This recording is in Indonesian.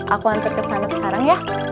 aku hampir kesana sekarang ya